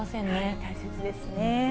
大切ですね。